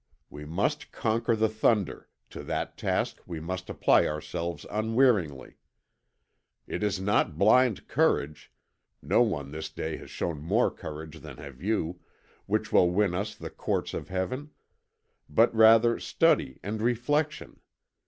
We must conquer the thunder; to that task we must apply ourselves unwearyingly. It is not blind courage (no one this day has shown more courage than have you) which will win us the courts of Heaven; but rather study and reflection.